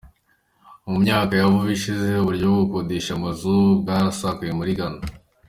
Mu myaka ya vuba ishize, uburyo bwo gukodesha amazu byarasakaye muri Ghana.